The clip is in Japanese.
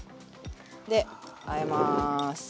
であえます。